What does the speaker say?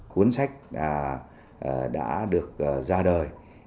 cuốn sách đã được ra đời